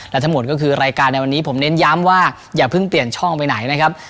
และทั้งหมดก็คือรายการในวันนี้ผมเน้นย้ำว่าอย่าเพิ่งเปลี่ยนช่องไปไหนนะครับ